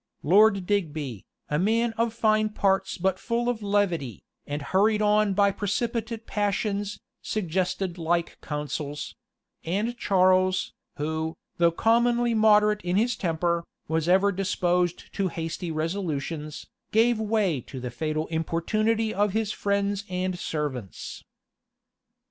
Lord Digby, a man of fine parts but full of levity, and hurried on by precipitate passions, suggested like counsels; and Charles, who, though commonly moderate in his temper, was ever disposed to hasty resolutions, gave way to the fatal importunity of his friends and servants.